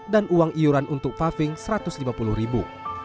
dan uang iuran untuk paving satu ratus lima puluh ribu